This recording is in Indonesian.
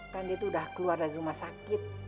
kan dia tuh udah keluar dari rumah sakit